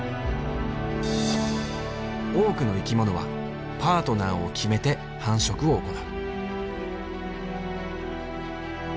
多くの生き物はパートナーを決めて繁殖を行う。